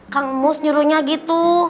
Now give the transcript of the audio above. kang mus nyuruhnya gitu